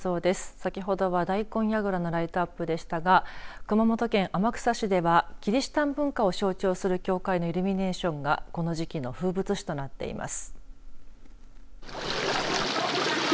先ほどは大根やぐらのライトアップでしたが熊本県天草市ではキリシタン文化を象徴する教会のイルミネーションがこの時期の風物詩となっています。